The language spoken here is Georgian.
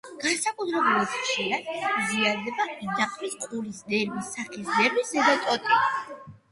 განსაკუთრებით ხშირად ზიანდება იდაყვის, ყურის ნერვი, სახის ნერვის ზედა ტოტი.